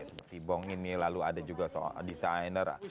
seperti bong ini lalu ada juga soal desainer